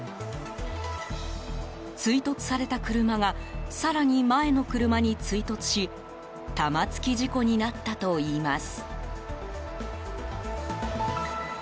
追突された車が更に前の車に追突し玉突き事故になったといいます。